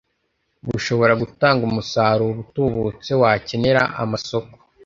bushobora gutanga umusaruro utubutse wakenera amasoko.